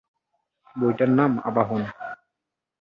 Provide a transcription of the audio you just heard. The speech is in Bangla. বইটার নাম আবাহন।